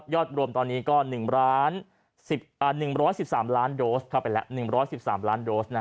รวมตอนนี้ก็๑๑๓ล้านโดสเข้าไปแล้ว๑๑๓ล้านโดส